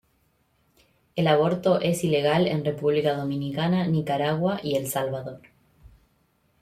El aborto es ilegal en República Dominicana, Nicaragua, y El Salvador.